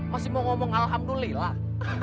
masih mau ngomong alhamdulillah